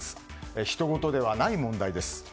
ひとごとではない問題です。